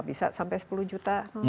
bisa sampai sepuluh juta